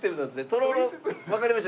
とろろわかりました。